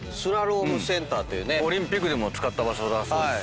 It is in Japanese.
オリンピックでも使った場所だそうです。